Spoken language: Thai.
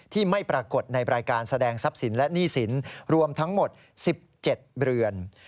ที่ไม่ปรากฏในรายการแสดงทรัพย์สินและหนี้สินรวมทั้งหมด๑๗เรือน